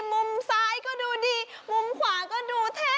มุมซ้ายก็ดูดีมุมขวาก็ดูเท่